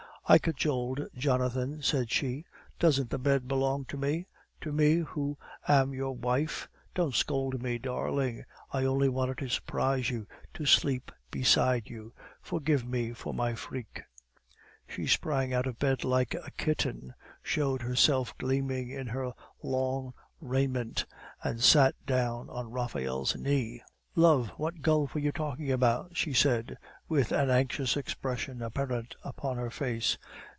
"I cajoled Jonathan," said she. "Doesn't the bed belong to me, to me who am your wife? Don't scold me, darling; I only wanted to surprise you, to sleep beside you. Forgive me for my freak." She sprang out of bed like a kitten, showed herself gleaming in her lawn raiment, and sat down on Raphael's knee. "Love, what gulf were you talking about?" she said, with an anxious expression apparent upon her face.